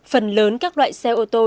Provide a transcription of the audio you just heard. phần lớn các loại xe ô tô